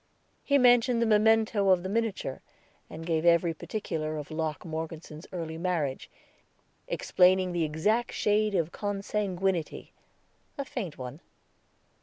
He mentioned the memento of the miniature, and gave every particular of Locke Morgeson's early marriage, explaining the exact shade of consanguinity a faint one.